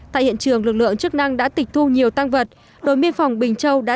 tại hiện trường lực lượng chức năng đã tịch thu nhiều tăng vật đối miên phòng bình châu đã